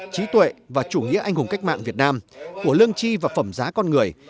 trí tuệ và chủ nghĩa anh hùng cách mạng việt nam của lương chi và phẩm giá con người